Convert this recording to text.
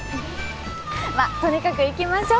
まあとにかく行きましょ